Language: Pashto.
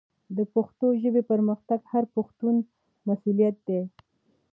د پښتو ژبې پرمختګ د هر پښتون مسؤلیت دی.